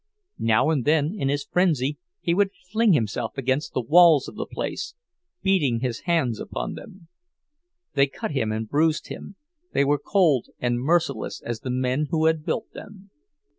Now and then in his frenzy he would fling himself against the walls of the place, beating his hands upon them. They cut him and bruised him—they were cold and merciless as the men who had built them.